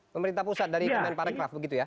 pemerintah pusat dari kementerian pariwisata begitu ya